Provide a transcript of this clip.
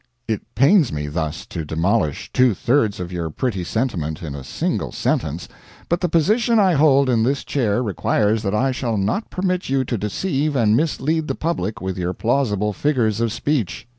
It pains me thus to demolish two thirds of your pretty sentiment in a single sentence; but the position I hold in this chair requires that I shall not permit you to deceive and mislead the public with your plausible figures of speech.